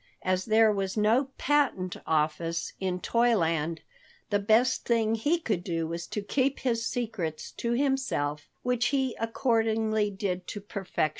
As there was no patent office in Toyland, the best thing he could do was to keep his secrets to himself, which he accordingly did to perfection.